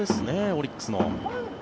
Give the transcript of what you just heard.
オリックスの。